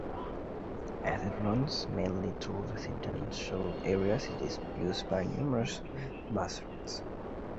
As it runs mainly through residential areas, it is used by numerous bus routes.